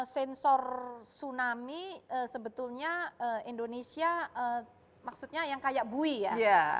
sensor tsunami sebetulnya indonesia maksudnya yang kayak bui ya